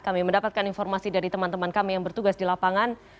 kami mendapatkan informasi dari teman teman kami yang bertugas di lapangan